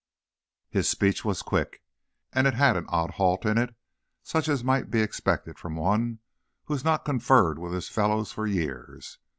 His speech was quick, and had an odd halt in it, such as might be expected from one who had not conferred with his fellows for years.